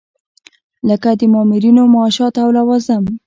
لکه د مامورینو معاشات او لوازم.